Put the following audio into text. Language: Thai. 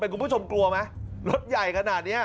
เป็นกรุ้ปผู้ชมกลัวไหมรถใหญ่ขนาดเนี้ย